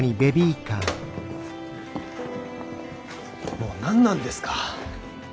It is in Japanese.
もう何なんですか。